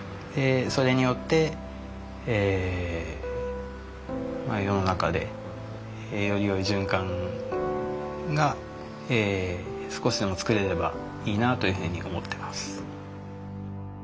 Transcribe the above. それによって世の中でよりよい循環が少しでも作れればいいなというふうに思ってます。